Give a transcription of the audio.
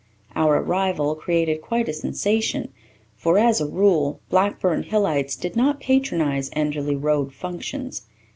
Our arrival created quite a sensation for, as a rule, Blackburn Hillites did not patronize Enderly Road functions.